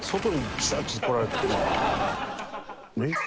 えっ？